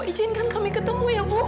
izinkan kami ketemu ya bu